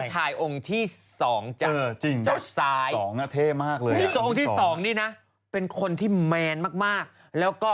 แค่นี้ก็เอาลื่นติดเด็กติดเวอร์มากเลย